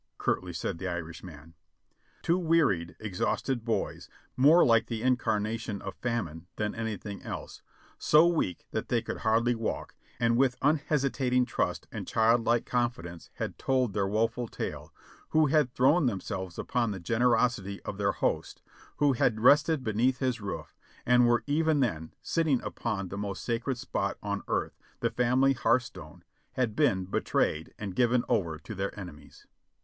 curtly said the Irishman. Two wearied, exhausted boys, more like the incarnation of famine than anything else; so weak that they could hardly walk; and with unhesitating trust and childlike confidence had told their woeful tale ; who had thrown themselves upon the generosity of their host; who had rested beneath his roof, and were even then sitting upon that most sacred spot on earth, the family hearth stone, had been betrayed and given over to their enemies.